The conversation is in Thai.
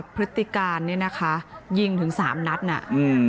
พฤติการเนี่ยนะคะยิงถึงสามนัดน่ะอืม